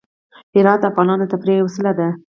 هرات د افغانانو د تفریح یوه وسیله ده.